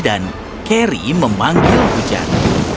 dan carrie memanggil hujan